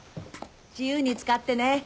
自由に使ってね。